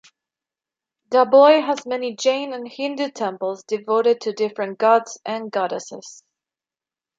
Dabhoi has many Jain and Hindu temples, devoted to different gods and goddesses.